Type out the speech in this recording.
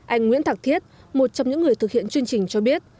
anh nguyễn thạc thiết một trong những người thực hiện chương trình cho biết